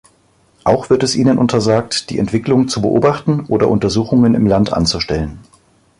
Auch wird es ihnen untersagt, die Entwicklung zu beobachten oder Untersuchungen im Land anzustellen.